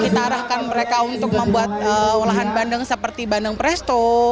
kita arahkan mereka untuk membuat olahan bandeng seperti bandeng presto